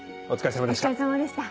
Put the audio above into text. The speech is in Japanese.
お疲れさまでした。